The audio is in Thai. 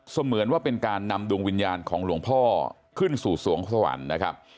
เหมือนว่าเป็นการนำดวงวิญญาณของหลวงพ่อขึ้นสู่สวงสวรรค์นะครับ